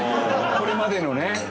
これまでのね